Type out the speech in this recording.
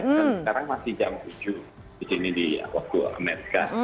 sekarang masih jam tujuh di sini di waktu amerika